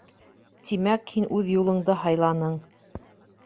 Тимәк, һин үҙ юлыңды һайланың.